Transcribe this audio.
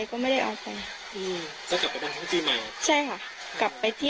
ก็อยากให้เขามอบตัวค่ะ